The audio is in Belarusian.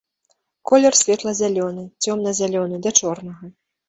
Колер светла-зялёны, цёмна-зялёны да чорнага.